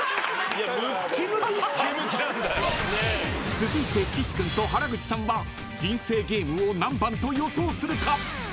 ［続いて岸君と原口さんは人生ゲームを何番と予想するか］